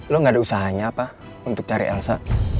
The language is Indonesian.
lo gak ada usahanya apa untuk cari elsa